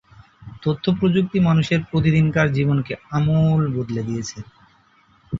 তথ্যপ্রযুক্তি মানুষের প্রতিদিনকার জীবনকে আমূল বদলে দিয়েছে।